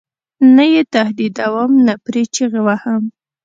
نه یې تهدیدوم نه پرې چغې وهم.